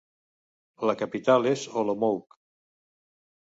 La capital és Olomouc.